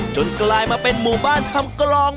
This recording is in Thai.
กลายมาเป็นหมู่บ้านทำกลอง